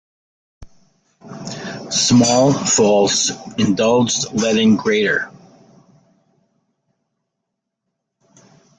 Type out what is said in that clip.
Small faults indulged let in greater.